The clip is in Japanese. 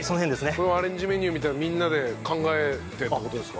このアレンジメニューみたいなのみんなで考えてって事ですか？